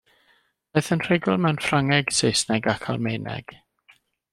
Daeth yn rhugl mewn Ffrangeg, Saesneg ac Almaeneg.